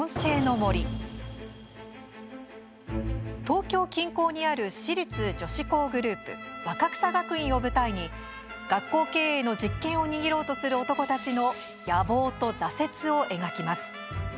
東京近郊にある私立女子校グループ、若草学院を舞台に学校経営の実権を握ろうとする男たちの野望と挫折を描きます。